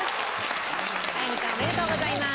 早見さんおめでとうございます。